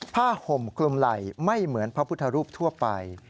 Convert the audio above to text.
ห่มคลุมไหล่ไม่เหมือนพระพุทธรูปทั่วไป